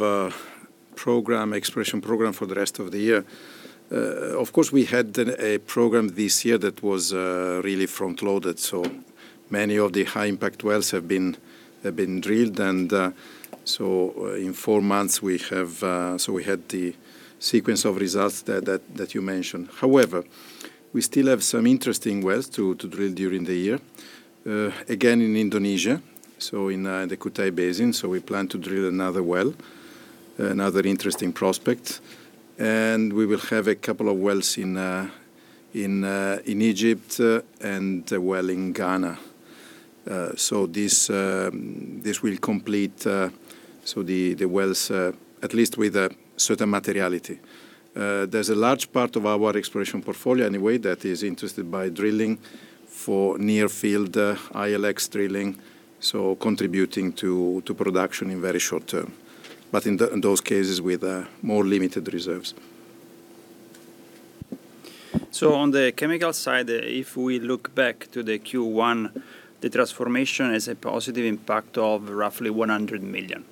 exploration program for the rest of the year, of course, we had a program this year that was really front-loaded, so many of the high impact wells have been drilled. In four months we had the sequence of results that you mentioned. However, we still have some interesting wells to drill during the year, again in Indonesia, so in the Kutei Basin. We plan to drill another well, another interesting prospect, and we will have a couple of wells in Egypt and a well in Ghana. This will complete the wells, at least with a certain materiality. There's a large part of our exploration portfolio anyway that is interested by drilling for near field ILX drilling, so contributing to production in very short term. In those cases with more limited reserves. On the chemical side, if we look back to the Q1, the transformation has a positive impact of roughly 100 million.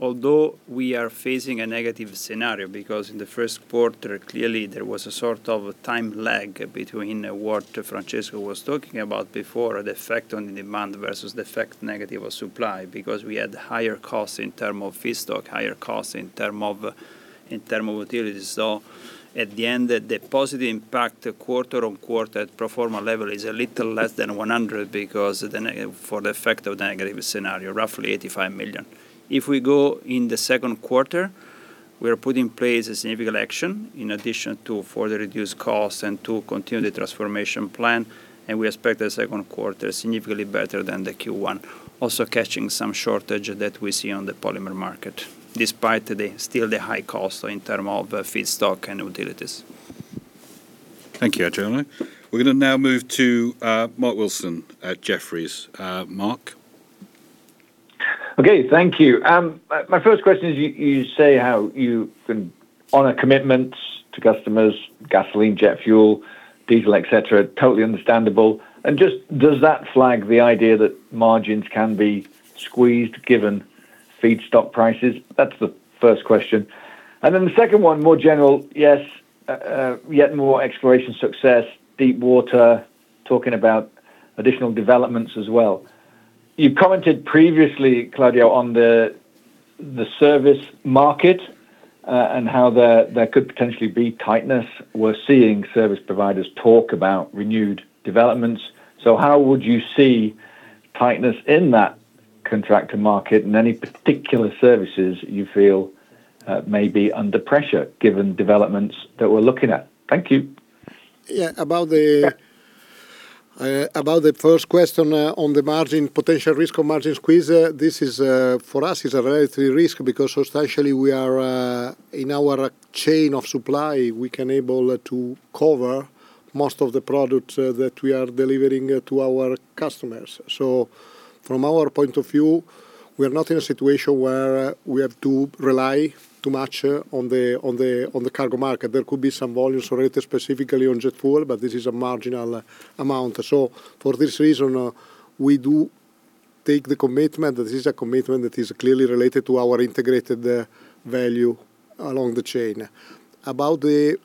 Although we are facing a negative scenario because in the first quarter, clearly there was a sort of time lag between what Francesco was talking about before, the effect on the demand versus the negative effect of supply, because we had higher costs in terms of feedstock, higher costs in terms of utilities. At the end, the positive impact quarter-on-quarter at pro forma level is a little less than 100 million because of the effect of the negative scenario, roughly 85 million. If we go in the second quarter, we are putting in place a significant action in addition to further reduce costs and to continue the transformation plan, and we expect the second quarter significantly better than the Q1. Catching some shortage that we see on the polymer market, despite still the high cost in terms of feedstock and utilities. Thank you, Adriano. We're going to now move to Mark Wilson at Jefferies. Mark? Okay, thank you. My first question is, you say how you can honor commitments to customers, gasoline, jet fuel, diesel, et cetera, totally understandable. Just does that flag the idea that margins can be squeezed given feedstock prices? That's the first question. The second one, more general. Yes, yet more exploration success, deep water, talking about additional developments as well. You commented previously, Claudio, on the service market, and how there could potentially be tightness. We're seeing service providers talk about renewed developments. How would you see tightness in that contractor market and any particular services you feel may be under pressure given developments that we're looking at? Thank you. Yeah. About the first question on the potential risk of margin squeeze. This for us is a relative risk because substantially in our chain of supply, we can able to cover most of the product that we are delivering to our customers. From our point of view, we are not in a situation where we have to rely too much on the cargo market. There could be some volumes related specifically on jet fuel, but this is a marginal amount. For this reason, we do take the commitment. This is a commitment that is clearly related to our integrated value along the chain. About the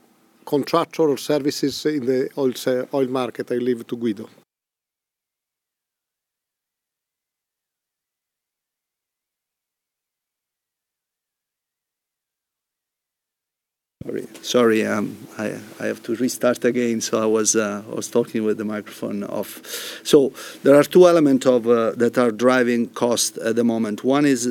contractual services in the oil market, I leave to Guido. Sorry, I have to restart again. I was talking with the microphone off. There are two elements that are driving costs at the moment. One is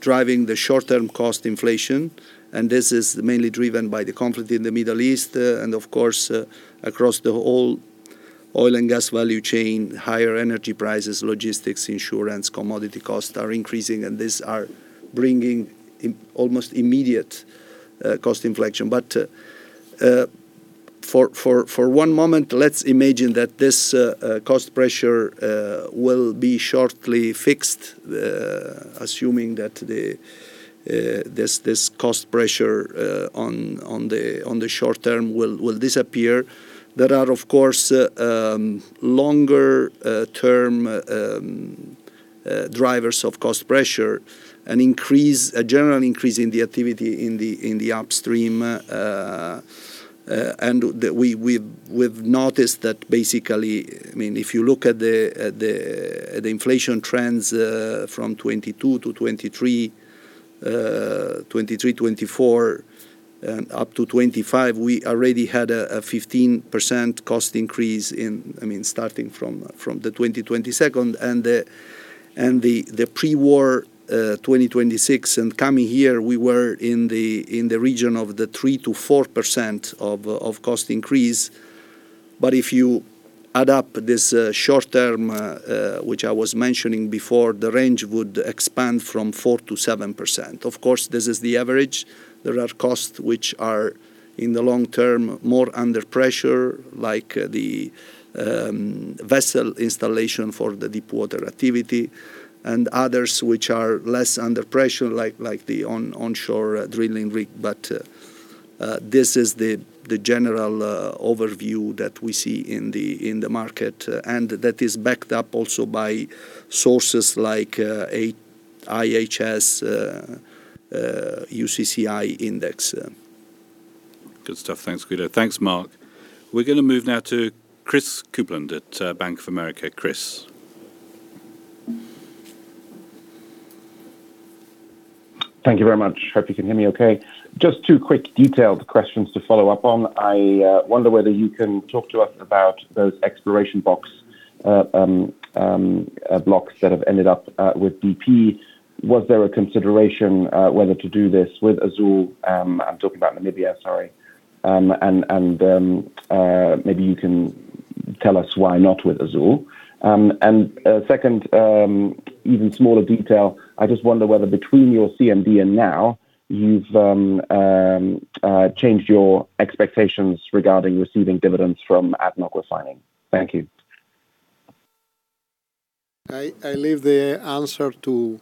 driving the short-term cost inflation, and this is mainly driven by the conflict in the Middle East and of course, across the whole oil and gas value chain. Higher energy prices, logistics, insurance, commodity costs are increasing, and these are bringing almost immediate cost inflation. For one moment, let's imagine that this cost pressure will be shortly fixed, assuming that this cost pressure on the short term will disappear. There are, of course, longer term drivers of cost pressure, a general increase in the activity in the upstream. We've noticed that basically, if you look at the inflation trends from 2022 to 2023, 2024, up to 2025, we already had a 15% cost increase starting from the 2022 and. The pre-war to 2026 and coming years, we were in the region of the 3%-4% cost increase. If you add up this short-term, which I was mentioning before, the range would expand from 4%-7%. Of course, this is the average. There are costs which are, in the long term, more under pressure, like the vessel installation for the deepwater activity. Others which are less under pressure, like the onshore drilling rig. This is the general overview that we see in the market. That is backed up also by sources like IHS, UCCI index. Good stuff. Thanks, Guido. Thanks, Mark. We're going to move now to Chris Kuplent at Bank of America. Chris. Thank you very much. Hope you can hear me okay. Just two quick detailed questions to follow up on. I wonder whether you can talk to us about those exploration box blocks that have ended up with BP. Was there a consideration whether to do this with Azule? I'm talking about Namibia, sorry. And maybe you can tell us why not with Azule. A second, even smaller detail, I just wonder whether between your CMD and now, you've changed your expectations regarding receiving dividends from ADNOC Refining. Thank you. I leave the answer to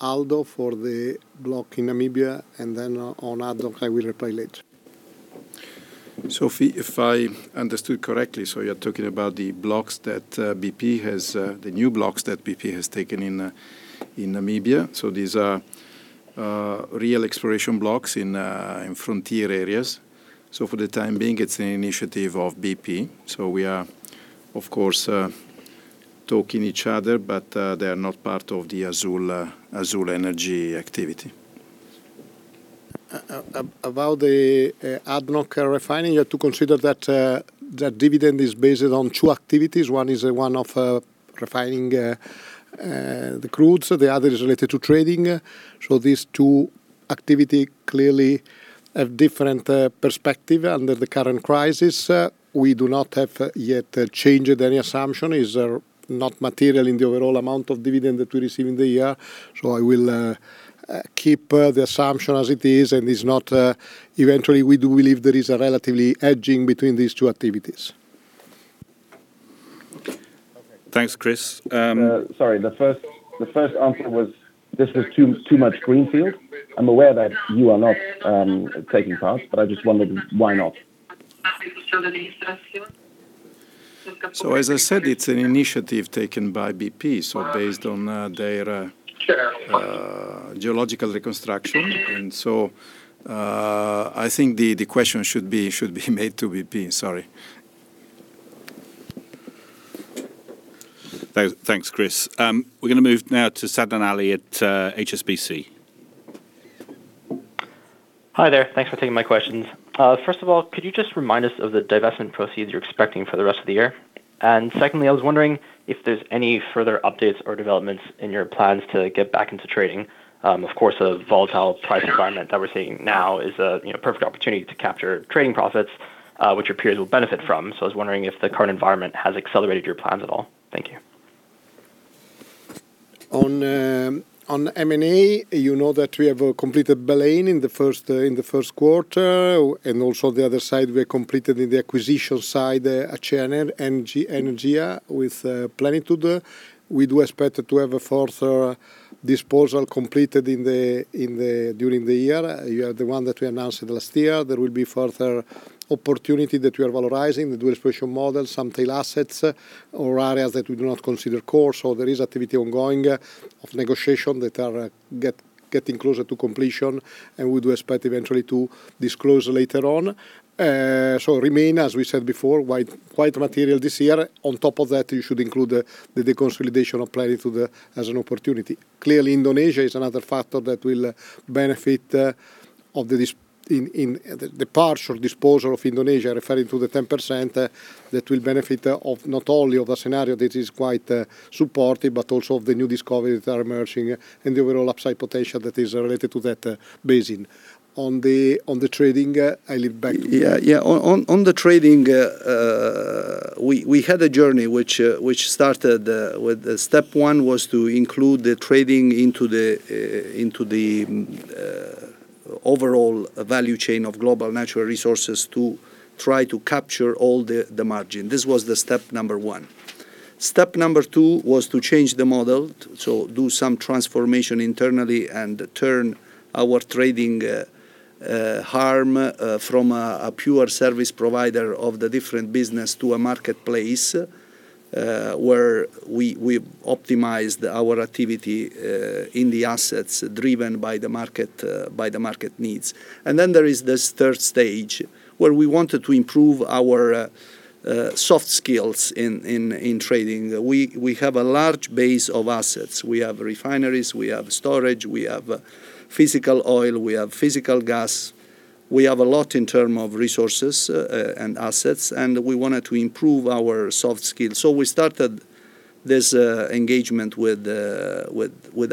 Aldo for the block in Namibia, and then on ADNOC, I will reply later. Sophie, if I understood correctly, you're talking about the new blocks that BP has taken in Namibia. These are real exploration blocks in frontier areas. For the time being, it's an initiative of BP. We are, of course, talking to each other, but they are not part of the Azule Energy activity. About the ADNOC Refining, you have to consider that that dividend is based on two activities. One is one of refining the crudes, the other is related to trading. These two activities clearly have different perspectives under the current crisis. We have not yet changed any assumption. It is not material in the overall amount of dividend that we receive in the year. I will keep the assumption as it is. Eventually, we do believe there is relative hedging between these two activities. Thanks, Chris. Sorry. The first answer was this was too much greenfield. I'm aware that you are not taking part, but I just wondered why not. As I said, it's an initiative taken by BP based on their geological reconstruction. I think the question should be made to BP. Sorry. Thanks, Chris. We're going to move now to Sadnan Ali at HSBC. Hi there. Thanks for taking my questions. First of all, could you just remind us of the divestment proceeds you're expecting for the rest of the year? Secondly, I was wondering if there's any further updates or developments in your plans to get back into trading. Of course, a volatile price environment that we're seeing now is a perfect opportunity to capture trading profits, which your peers will benefit from. I was wondering if the current environment has accelerated your plans at all. Thank you. On M&A, you know that we have completed Baleine in the first quarter, and also the other side, we completed in the acquisition side, HNR, Energea, with Plenitude. We do expect to have a further disposal completed during the year. You have the one that we announced last year. There will be further opportunity that we are valorizing. We do exploration model some tail assets or areas that we do not consider core. There is activity ongoing of negotiation that are getting closer to completion, and we do expect eventually to disclose later on. Remain, as we said before, quite material this year. On top of that, you should include the deconsolidation of Plenitude as an opportunity. Clearly, Indonesia is another factor that will benefit from the partial disposal in Indonesia, referring to the 10% that will benefit from not only a scenario that is quite supportive, but also the new discoveries that are emerging, and the overall upside potential that is related to that basin. On the trading, I hand back to you. Yeah. On the trading, we had a journey which started with step one was to include the trading into the overall value chain of global natural resources to try to capture all the margin. This was the step number one. Step number two was to change the model, so do some transformation internally and turn our trading arm from a pure service provider of the different business to a marketplace. Where we optimized our activity in the assets driven by the market needs. Then there is this third stage where we wanted to improve our soft skills in trading. We have a large base of assets. We have refineries, we have storage, we have physical oil, we have physical gas. We have a lot in terms of resources and assets, and we wanted to improve our soft skills. We started this engagement with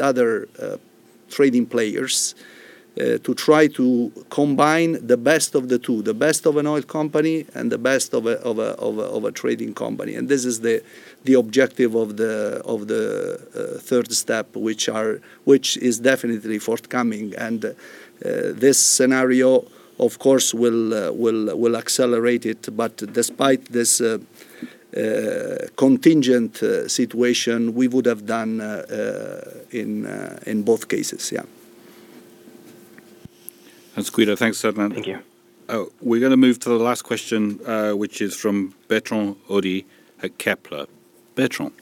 other trading players to try to combine the best of the two, the best of an oil company, and the best of a trading company. This is the objective of the third step, which is definitely forthcoming. This scenario, of course, will accelerate it. Despite this contingent situation, we would have done in both cases, yeah. That's Guido. Thanks, Sadnan. Thank you. Oh, we're going to move to the last question, which is from Bertrand Hodée at Kepler. Bertrand.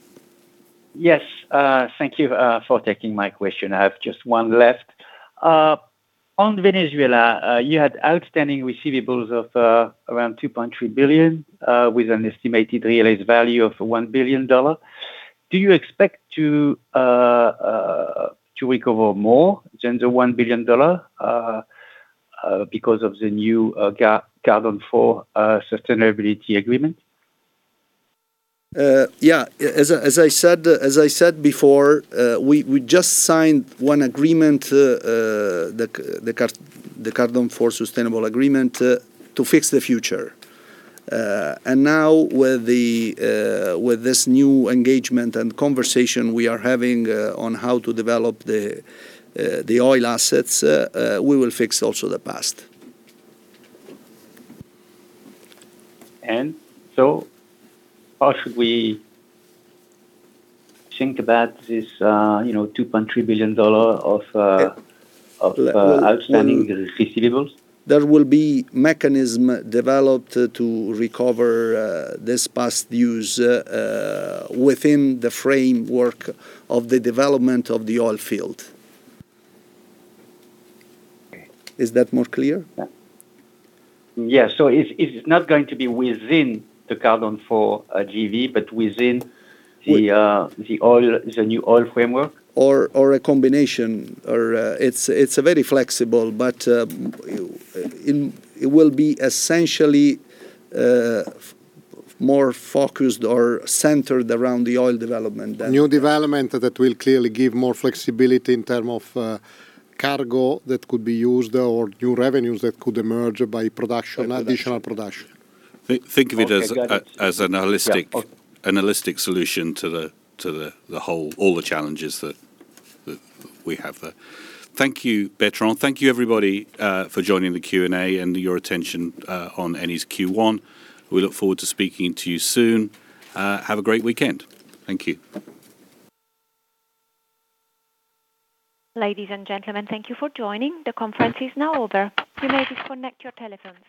Yes. Thank you for taking my question. I have just one left. On Venezuela, you had outstanding receivables of around $2.3 billion, with an estimated realized value of $1 billion. Do you expect to recover more than the $1 billion because of the new Cardón IV Sustainability Agreement? Yeah. As I said before, we just signed one agreement, the Cardón IV Sustainability Agreement to fix the future. Now with this new engagement and conversation we are having on how to develop the oil assets, we will fix also the past. How should we think about this $2.3 billion of outstanding receivables? There will be mechanism developed to recover this past dues within the framework of the development of the oil field. Is that more clear? It's not going to be within the Cardón IV, but within- Yes the new oil framework? A combination. It's very flexible, but it will be essentially more focused or centered around the oil development. New development that will clearly give more flexibility in terms of cargo that could be used or new revenues that could emerge by additional production. Think of it as. Okay, got it.... an holistic solution to all the challenges that we have there. Thank you, Bertrand. Thank you everybody for joining the Q&A and your attention on Eni's Q1. We look forward to speaking to you soon. Have a great weekend. Thank you. Ladies and gentlemen, thank you for joining. The conference is now over. You may disconnect your telephones.